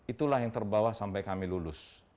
itulah yang terbawa sampai kami lulus